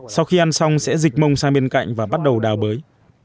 sau khi ăn xong sẽ dịch mông sang bên cạnh và bắt đầu đào bới